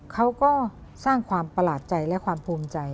เขาก็สร้างความประหลาดใจและความภูมิใจ